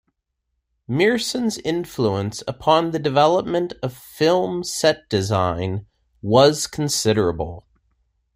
Meerson's influence upon the development of film set design was considerable.